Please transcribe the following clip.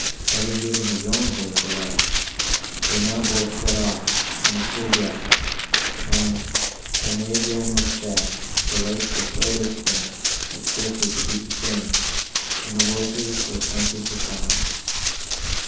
Having given his own horse a lash, they now both set off on a full gallop; and, when they again looked back, the lights were so distant as scarcely to be discerned, and the voices were sunk into silence.